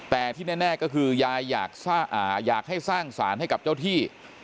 แต่ที่แน่ก็คือยายอยากให้สร้างสารให้กับเจ้าที่